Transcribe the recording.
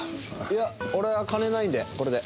いや俺は金ないんでこれで。